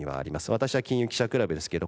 私は金融記者クラブですけど。